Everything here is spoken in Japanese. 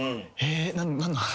何の話？